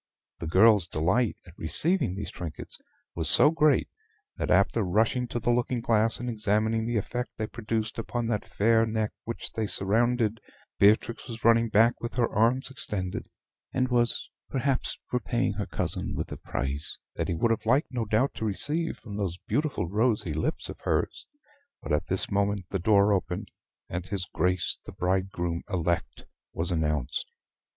The girl's delight at receiving these trinkets was so great, that after rushing to the looking glass and examining the effect they produced upon that fair neck which they surrounded, Beatrix was running back with her arms extended, and was perhaps for paying her cousin with a price, that he would have liked no doubt to receive from those beautiful rosy lips of hers, but at this moment the door opened, and his Grace the bridegroom elect was announced.